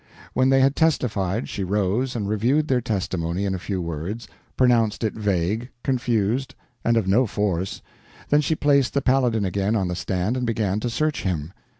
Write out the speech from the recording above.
When they had testified, she rose and reviewed their testimony in a few words, pronounced it vague, confused, and of no force, then she placed the Paladin again on the stand and began to search him.